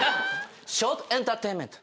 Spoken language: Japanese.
ショートエンターテインメント！